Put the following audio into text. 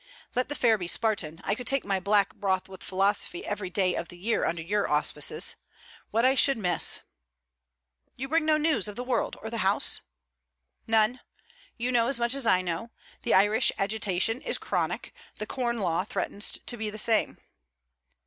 'Let the fare be Spartan. I could take my black broth with philosophy every day of the year under your auspices. What I should miss...' 'You bring no news of the world or the House?' 'None. You know as much as I know. The Irish agitation is chronic. The Corn law threatens to be the same.'